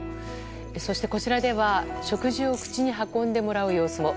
そして、こちらでは食事を口に運んでもらう様子も。